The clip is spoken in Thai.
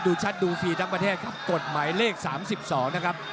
ดูชัดดูฟรีทั้งประเทศครับกฎหมายเลข๓๒นะครับ